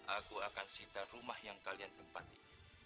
aku akan sitar rumah yang kalian tempatin